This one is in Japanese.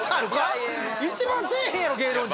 一番せぇへんやろ芸能人。